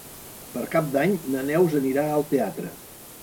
Per Cap d'Any na Neus anirà al teatre.